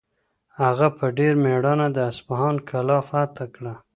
هغه په ډېر مېړانه د اصفهان کلا فتح کړه.